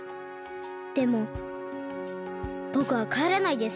でもぼくはかえらないです。